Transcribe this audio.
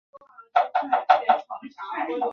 兰氏三强蟹为大眼蟹科三强蟹属的动物。